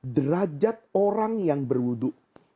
derajat orang yang berudu